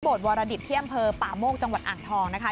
บทวรดิษฐ์เที่ยมเพอป่ามกจังหวัดอ่างทองนะคะ